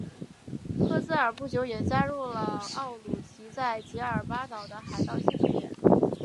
赫兹尔不久也加入了奥鲁奇在杰尔巴岛的海盗新事业。